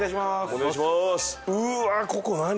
お願いします！